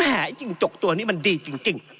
ไอ้จิ้งจกตัวนี้มันดีจริง